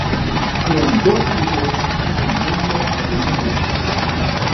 Tiene dos hijos, un niño y una niña.